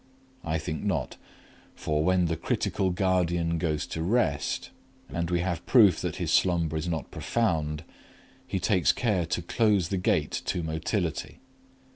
I think not, for when the critical guardian goes to rest and we have proof that his slumber is not profound he takes care to close the gate to motility.